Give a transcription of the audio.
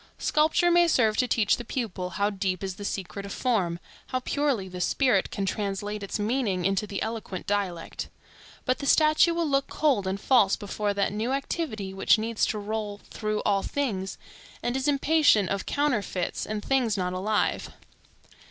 Sculpture may serve to teach the pupil how deep is the secret of form, how purely the spirit can translate its meanings into that eloquent dialect. But the statue will look cold and false before that new activity which needs to roll through all things, and is impatient of counterfeits and things not alive.